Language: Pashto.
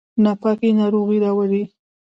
ناپاکي ناروغي راوړي